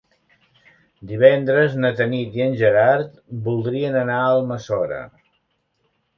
Divendres na Tanit i en Gerard voldrien anar a Almassora.